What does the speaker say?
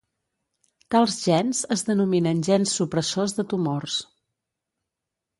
Tals gens es denominen gens supressors de tumors.